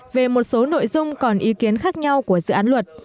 về một số nội dung còn ý kiến khác nhau của dự án luật